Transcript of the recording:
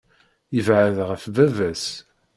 Yebɛed ɣef baba-s.